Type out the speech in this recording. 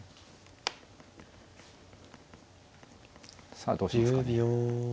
さあどうしますかね。